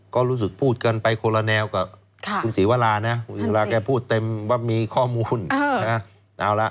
ก็รู้สึกพูดกันไปคนละแนวกับคุณศรีวรานะเวลาแกพูดเต็มว่ามีข้อมูลนะ